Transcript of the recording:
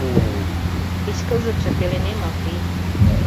Кеч кызытше пеленемак лий...